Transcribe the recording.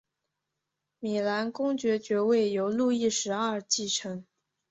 米兰公爵爵位由路易十二继承。